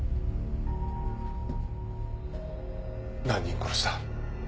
何人殺した？